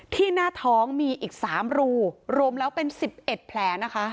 หน้าท้องมีอีก๓รูรวมแล้วเป็น๑๑แผลนะคะ